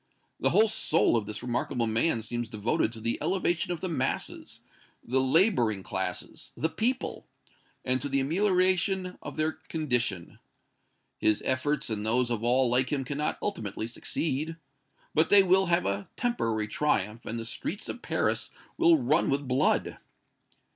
The whole soul of this remarkable man seems devoted to the elevation of the masses the laboring classes the people and to the amelioration of their condition. His efforts and those of all like him cannot ultimately succeed. But they will have a temporary triumph, and the streets of Paris will run with blood!